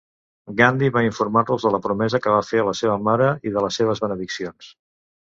Gandhi va informar-los de la promesa que va fer a la seva mare i de les seves benediccions.